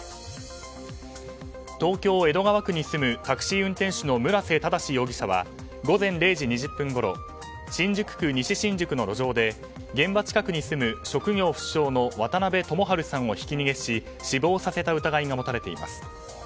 東京・江戸川区に住むタクシー運転手の村瀬正容疑者は午前０時２０分ごろ新宿区西新宿の路上で現場近くに住む職業不詳の渡辺知晴さんをひき逃げし死亡させた疑いが持たれています。